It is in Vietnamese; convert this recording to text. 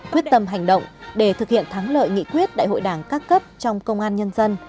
quyết tâm hành động để thực hiện thắng lợi nghị quyết đại hội đảng các cấp trong công an nhân dân